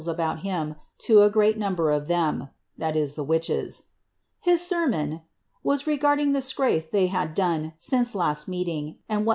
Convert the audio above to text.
about him, to a great number ofthcm (the witchesV His semii>]i "a? ri'g:irding the skaiih they had done since last meeting, atid what